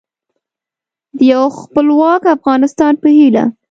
د یو خپلواک افغانستان په هیله